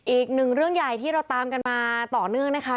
อีกหนึ่งเรื่องใหญ่ที่เราตามกันมาต่อเนื่องนะคะ